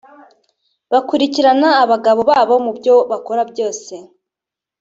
Bakurikirana abagabo babo mu byo bakora byose